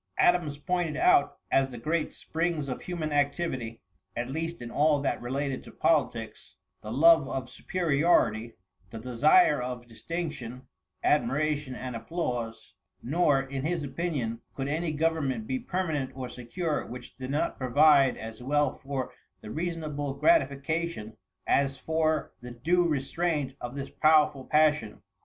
Adams pointed out as the great springs of human activity, at least in all that related to politics, the love of superiority, the desire of distinction, admiration and applause; nor, in his opinion could any government be permanent or secure which did not provide as well for the reasonable gratification, as for the due restraint of this powerful passion.